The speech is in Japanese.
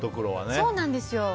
そうなんですよ。